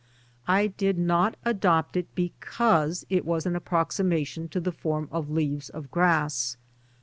I did not adopt it because it was an approximation to the form of " Leaves of Grass."